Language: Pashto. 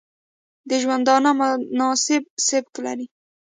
د ژوندانه مناسب سبک لري